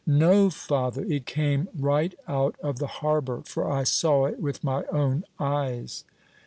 "No, father; it came right out of the harbor, for I saw it with my own eyes."